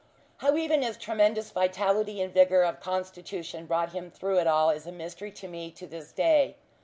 How even his tremendous vitality and vigour of constitution brought him through it all is a mystery to me to this day.